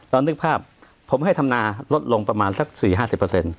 นึกภาพผมให้ธรรมนาลดลงประมาณสักสี่ห้าสิบเปอร์เซ็นต